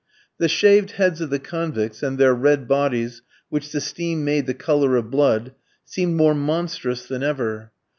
The shaved heads of the convicts, and their red bodies, which the steam made the colour of blood, seemed more monstrous than ever.